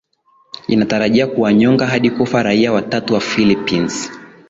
inatarajia kuwanyonga hadi kufa raia watatu wa philipins